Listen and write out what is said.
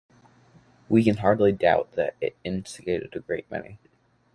We can hardly doubt that it instigated a great many.